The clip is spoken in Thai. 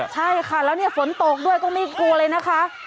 ใช่ค่ะแล้วเนี่ยฝนตกด้วยก็ไม่กลัวเลยนะคะ